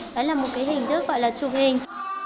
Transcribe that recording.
đấy là một cái hình thức gọi là chụp hình